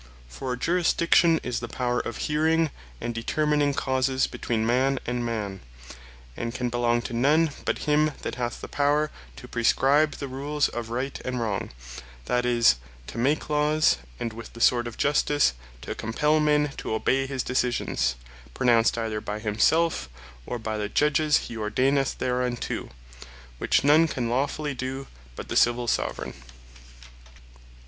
For Jurisdiction is the Power of hearing and determining Causes between man and man; and can belong to none, but him that hath the Power to prescribe the Rules of Right and Wrong; that is, to make Laws; and with the Sword of Justice to compell men to obey his Decisions, pronounced either by himself, or by the Judges he ordaineth thereunto; which none can lawfully do, but the Civill Soveraign.